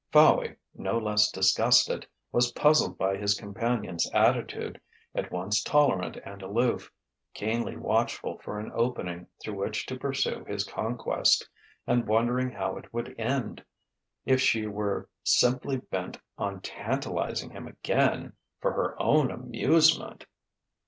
Fowey, no less disgusted, was puzzled by his companion's attitude, at once tolerant and aloof, keenly watchful for an opening through which to pursue his conquest, and wondering how it would end. If she were simply bent on tantalizing him again, for her own amusement....